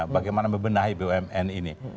bagaimana membenahi bumn ini